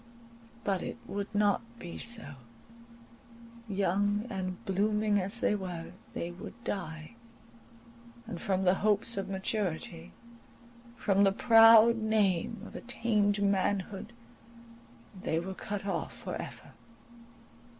But it would not be so; young and blooming as they were, they would die, and from the hopes of maturity, from the proud name of attained manhood, they were cut off for ever.